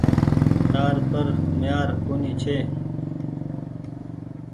تآر پر ميهآر ڪونيٚ ڇي۔